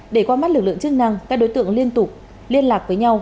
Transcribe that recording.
để qua mắt lực lượng chức năng các đối tượng liên tục liên lạc với nhau